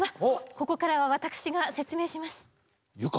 ここからは私が説明します。